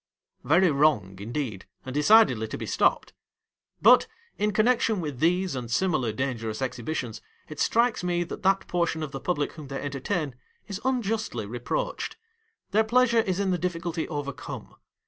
Very wrong indeed, and decidedly to be stopped. But, in connexion with these and similar dangerous exhibitions, it strikes me that that portion of the public whom they entertain, is unjustly reproached. Their pleasure is in the difficulty overcome.